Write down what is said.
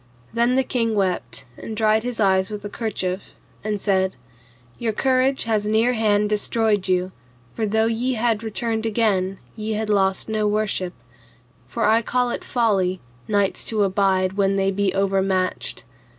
Then the king wept, and dried his eyes with a kerchief, and said, Your courage had near hand destroyed you, for though ye had returned again, ye had lost no worship; for I call it folly, knights to abide when they be overmatched.